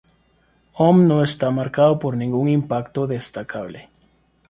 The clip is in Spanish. Hume no está marcado por ningún impacto destacable.